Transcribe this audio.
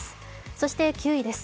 そして９位です。